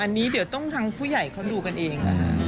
อันนี้เดี๋ยวต้องทางผู้ใหญ่เขาดูกันเอง